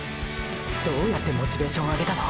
どうやってモチベーションを上げたの？